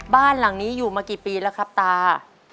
บ้านหลังนี้อยู่มากี่ปีแล้วครับตา